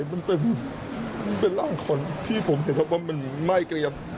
มันเป็นมันเป็นร่างขนที่ผมเห็นแบบว่ามันไม่เกลียบ